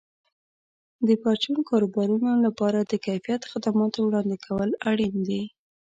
د پرچون کاروبارونو لپاره د کیفیت خدماتو وړاندې کول اړین دي.